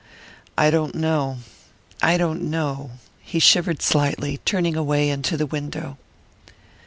"I don't know I don't know." He shivered slightly, turning away into the window.